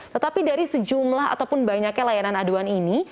tetapi dari sejumlah ataupun banyaknya layanan aduan ini